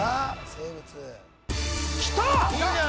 生物きた！